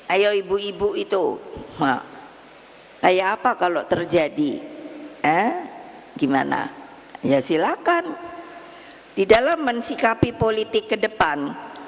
ayo ibu ibu itu kayak apa kalau terjadi gimana ya silakan di dalam mensikapi politik ke depan